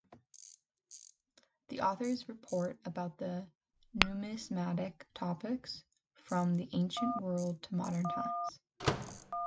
The authors report about the numismatic topics from the ancient world to modern times.